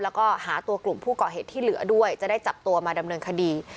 แล้วก็หาตัวกลุ่มผู้ก่อเหตุที่เหลือด้วยจะได้จับตัวมาดำเนินคดี